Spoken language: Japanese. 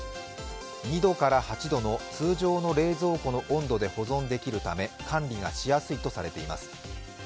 ２度から８度の通常の冷蔵庫の温度で保存できるため管理がしやすいとされています。